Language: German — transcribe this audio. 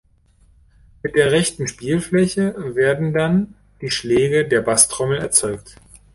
Mit der rechten Spielfläche werden dann die Schläge der Basstrommel erzeugt.